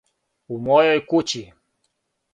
У мојој кући?